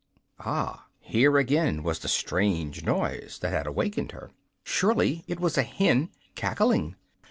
Ah; here again was the strange noise that had awakened her. Surely it was a hen cackling!